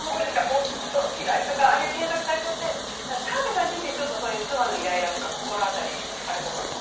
「夫×嫌い」とかああいう検索されちゃって澤部さん自身ちょっとそういう妻のイライラとか心当たりあるところも。